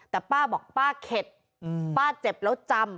แต่ป้าบอกป้าเข็ดป้าเจ็บแล้วจำ